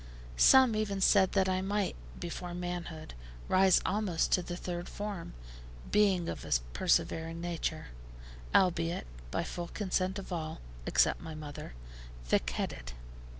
Some even said that I might, before manhood, rise almost to the third form, being of a perservering nature; albeit, by full consent of all (except my mother), thick headed.